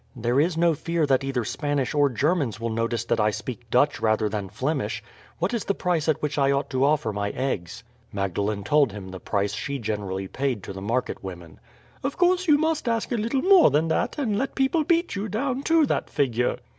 There is no fear that either Spanish or Germans will notice that I speak Dutch rather than Flemish. What is the price at which I ought to offer my eggs?" Magdalene told him the price she generally paid to the market women. "Of course you must ask a little more than that, and let people beat you down to that figure."